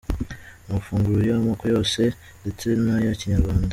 Amafunguro y’amoko yose ndetse n’aya kinyarwanda.